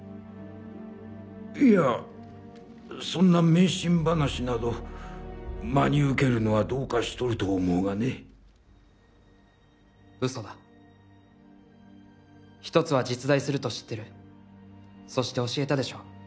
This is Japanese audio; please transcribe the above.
いやそんな迷信話など真に受けるのはどうかしとると思うがね嘘だ一つは実在すると知ってるそして教えたでしょ？